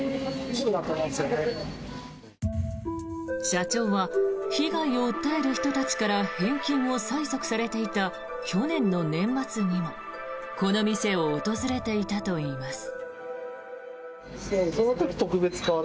社長は被害を訴える人たちから返金を催促されていた去年の年末にもこの店を訪れていたといいます。